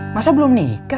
masa belum nikah